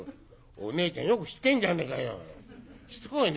「おねえちゃんよく知ってんじゃねえかよ。しつこいね。